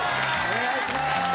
お願いします